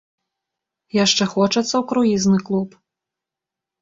Яшчэ хочацца ў круізны клуб?